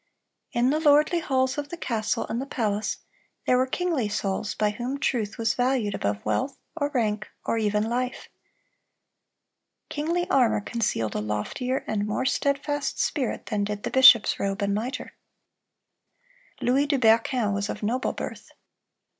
In the lordly halls of the castle and the palace, there were kingly souls by whom truth was valued above wealth or rank or even life. Kingly armor concealed a loftier and more steadfast spirit than did the bishop's robe and mitre. Louis de Berquin was of noble birth.